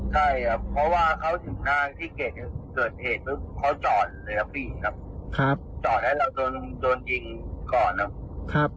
ใช่เพราะเขาถึงทางที่เกรดเขาจอดกับพี่ครับ